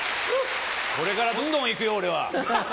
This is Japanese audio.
これからどんどんいくよ俺は。